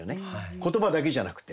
言葉だけじゃなくて。